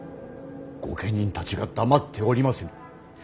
御家人たちが黙っておりませぬ。